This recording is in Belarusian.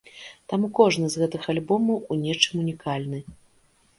Таму кожны з гэтых альбомаў у нечым ўнікальны.